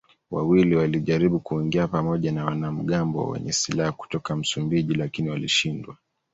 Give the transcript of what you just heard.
Wawili walijaribu kuingia pamoja na wanamgambo wenye silaha kutoka Msumbiji lakini walishindwa.